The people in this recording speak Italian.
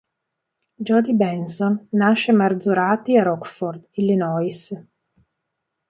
Jodi Benson nasce Marzorati a Rockford, Illinois.